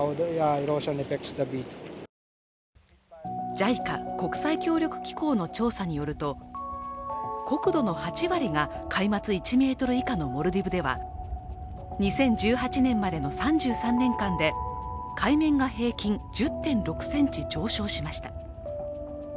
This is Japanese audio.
ＪＩＣＡ＝国際協力機構の調査によると国土の８割が海抜１ｍ以下のモルディブでは、２０１８年までの３３年間で海面が平均１０．６ｃｍ上昇しました。